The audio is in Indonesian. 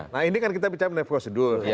nah ini kan kita bicara mengenai prosedur